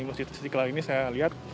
di masjid siti kelaw ini saya lihat